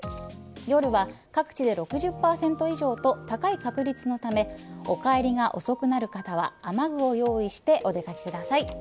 夜は各地で６０％以上と高い確率のためお帰りが遅くなる方は雨具を用意してお出かけください。